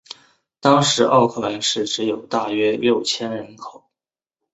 当时奥克兰市只有大约六千人口。